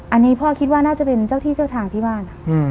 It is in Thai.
อันนี้พ่อคิดว่าน่าจะเป็นเจ้าที่เจ้าทางที่บ้าน